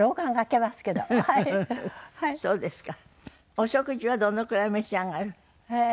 お食事はどのくらい召し上がる？え